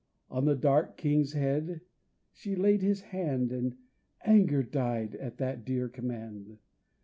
On the dark king's head she laid His hand And anger died at that dear command.